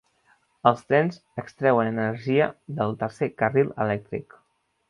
Els trens extreuen energia del tercer carril elèctric.